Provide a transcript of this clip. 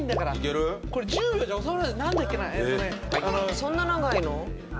そんな長いの？